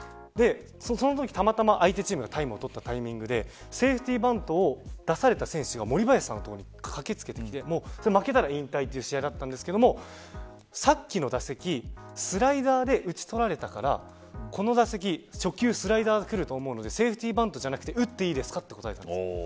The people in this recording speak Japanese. そのとき、たまたま相手チームがタイムを取ったタイミングでセーフティーバントを出された選手が森林さんの所に駆け付けてきて負けたら引退という試合だったんですけどさっきの打席、スライダーで打ち取られたからこの打席、初球スライダーが来ると思うのでセーフティーバントじゃなくて打っていいですかと言ったんです。